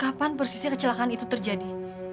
kapan persisnya kecelakaan itu terjadi